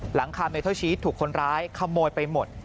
หลังคาเมทัลชีสถูกคนร้ายขโมยไปหมด